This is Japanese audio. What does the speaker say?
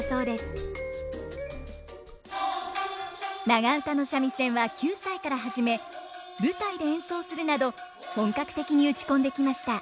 長唄の三味線は９歳から始め舞台で演奏するなど本格的に打ち込んできました。